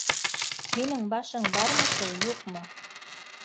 — Һинең башың бармы шул, юҡмы?!